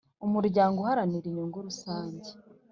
Umuryango uharanira inyungu rusange